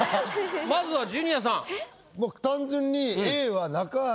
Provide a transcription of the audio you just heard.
まずはジュニアさん。